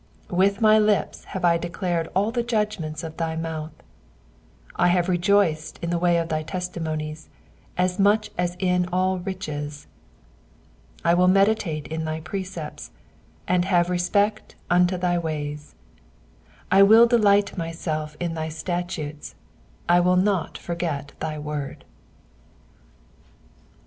13 With my lips have I declared all the judgments of thy mouth. 14 I have rejoiced in the way of thy testimonies, as much as in all riches. 15 I will meditate in thy precepts, and have respect unto thy ways. 16 I will delight myself in thy statutes : I will not forget thy word.